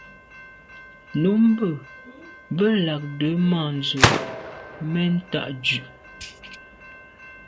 Nǔmmbə̂ nə làʼdə̌ mα̂nzə mɛ̀n tâ Dʉ̌’.